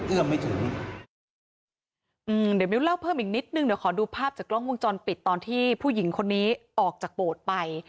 ไม่ถึงอืมเดี๋ยวมิ้วเล่าเพิ่มอีกนิดนึงเดี๋ยวขอดูภาพจากกล้องวงจรปิดตอนที่ผู้หญิงคนนี้ออกจากโบสถ์ไป